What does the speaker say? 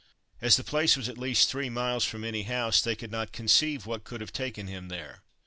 As the place was at least three miles from any house, they could not conceive what could have taken him there.